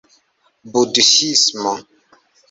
budhismo